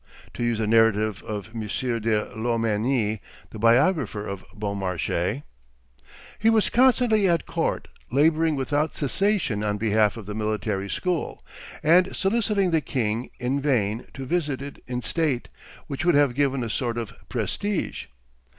To use the narrative of M. de Loménie, the biographer of Beaumarchais: "He was constantly at court, laboring without cessation on behalf of the military school, and soliciting the king in vain to visit it in state, which would have given a sort of prestige.